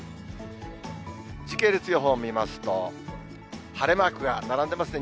時系列予報見ますと、晴れマークが並んでますね。